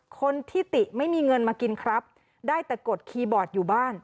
คนที่ติไม่มีเงินมากินครับได้แต่กดคีย์บอร์ดอยู่บ้าน